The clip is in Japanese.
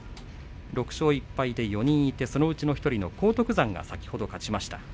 ６勝１敗で４人いてそのうちの１人の荒篤山が先ほど勝ちました。